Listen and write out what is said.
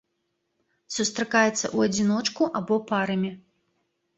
Сустракаецца ў адзіночку або парамі.